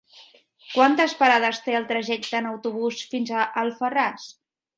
Quantes parades té el trajecte en autobús fins a Alfarràs?